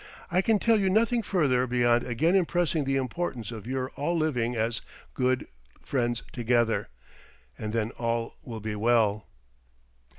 I can tell you nothing further beyond again impressing the importance of your all living as good friends together, and then all will be well."